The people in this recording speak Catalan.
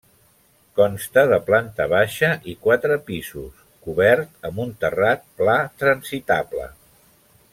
Consta de planta baixa i quatre pisos, cobert amb un terrat pla transitable.